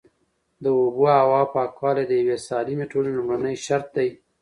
د اوبو او هوا پاکوالی د یوې سالمې ټولنې لومړنی شرط دی.